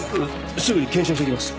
すぐに検証してきます。